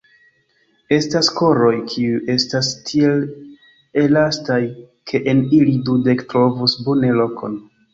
Estas koroj, kiuj estas tiel elastaj, ke en ili dudek trovus bone lokon!